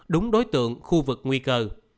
đúng đối tượng khu vực nguy cơ